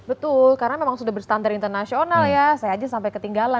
betul karena memang sudah berstandar internasional ya saya aja sampai ketinggalan